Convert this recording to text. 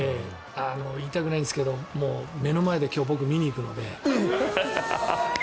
言いたくないんですけど目の前で今日、僕見に行くので。